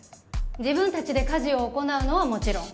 自分達で家事を行うのはもちろん